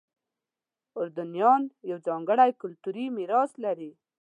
اردنیان یو ځانګړی کلتوري میراث لري.